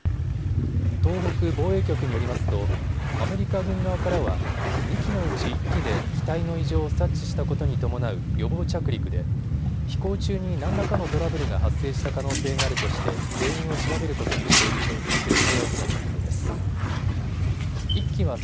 東北防衛局によりますとアメリカ軍側からは２機のうち１機で機体の異常を察知したことに伴う予防着陸で飛行中に何らかのトラブルが発生した可能性があるとして原因を調べることにしていると説明を受けたということです。